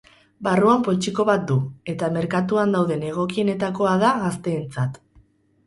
Barruan poltsiko bat du, eta merkatuan dauden egokienetakoa da gazteentzat.